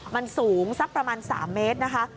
มันสูงสักประมาณ๓เมตรนะคะ